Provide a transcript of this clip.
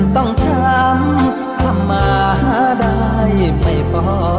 ขอบคุณครับ